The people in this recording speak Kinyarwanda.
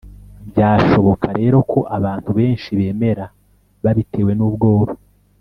Byashoboka rero ko abantu benshi bemera babitewe n’ubwoba